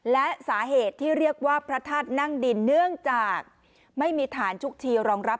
และสาเหตุที่เรียกว่าพระธาตุนั่งดินเนื่องจากไม่มีฐานชุกชีรองรับ